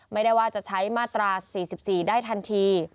ไม่ได้ว่าจะใช้มาตรา๔๔ได้ทันที